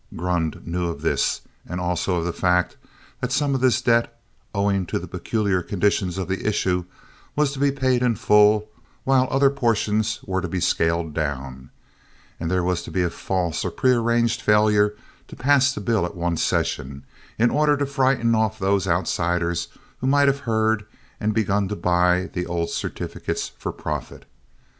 Grund knew of this, and also of the fact that some of this debt, owing to the peculiar conditions of issue, was to be paid in full, while other portions were to be scaled down, and there was to be a false or pre arranged failure to pass the bill at one session in order to frighten off the outsiders who might have heard and begun to buy the old certificates for profit.